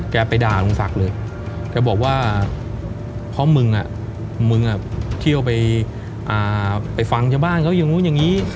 ไปด่าลุงศักดิ์เลยแกบอกว่าเพราะมึงมึงเที่ยวไปฟังชาวบ้านเขาอย่างนู้นอย่างนี้